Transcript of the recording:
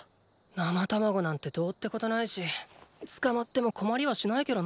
生卵なんてどうってことないし捕まっても困りはしないけどな。